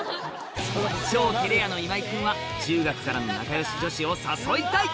超照れ屋の今井君は中学からの仲良し女子を誘いたい！